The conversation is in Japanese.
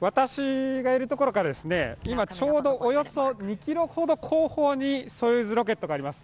私がいるところから今ちょうどおよそ２ｋｍほど後方にソユーズロケットがあります。